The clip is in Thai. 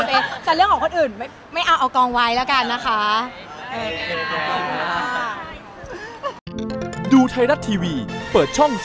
วันนี้หอมเอาตัวเองให้รอดก่อนเลือกตัวเอง